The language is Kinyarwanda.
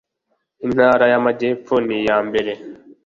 intara y‟amajyepfo niya mbere